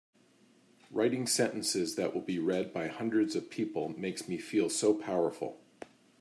Writing sentences that will be read by hundreds of people makes me feel so powerful!